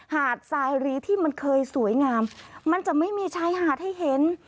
หาดสายรีที่มันเคยสวยงามมันจะไม่มีชายหาดให้เห็น